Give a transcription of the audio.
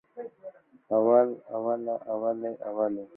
اول، اوله، اولې، اولو